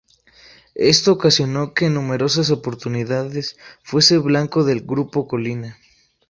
Esto ocasionó que en numerosas oportunidades fuese blanco del Grupo Colina.